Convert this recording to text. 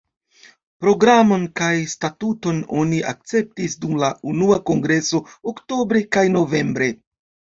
Programon kaj statuton oni akceptis dum la unua kongreso oktobre kaj novembre.